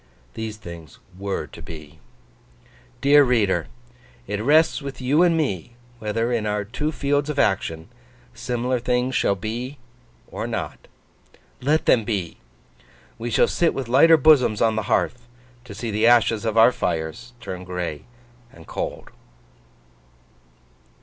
These things were to be. Dear reader! It rests with you and me, whether, in our two fields of action, similar things shall be or not. Let them be! We shall sit with lighter bosoms on the hearth, to see the ashes of our fires turn gray and cold.